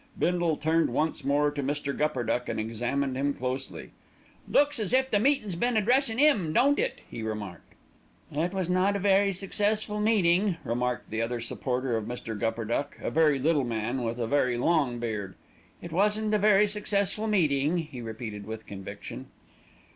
Bindle turned once more to Mr. Gupperduck and examined him closely. "Looks as if the meetin's been addressin' 'im, don't it?" he remarked. "It was not a very successful meeting," remarked the other supporter of Mr. Gupperduck, a very little man with a very long beard. "It wasn't a very successful meeting," he repeated with conviction.